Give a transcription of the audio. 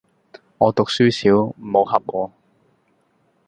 我讀書少，唔好翕我